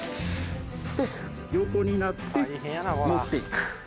で横になって持っていく。